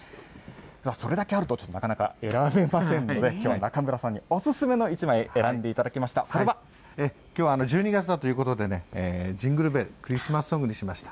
それだけあるとなかなか選べませんので、きょうは中村さんにお勧めの１枚、きょうは１２月だということでね、ジングルベル、クリスマスソングにしました。